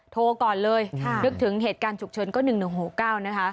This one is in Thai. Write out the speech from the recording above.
โทรก่อนเลยนึกถึงเหตุการณ์ฉุกเฉินก็๑๑๖๙นะคะ